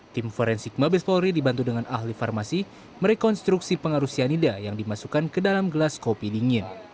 tim forensik mabes polri dibantu dengan ahli farmasi merekonstruksi pengaruh cyanida yang dimasukkan ke dalam gelas kopi dingin